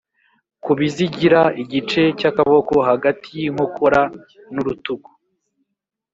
Ku bizigira Igice cy akaboko hagati y inkokora n urutugu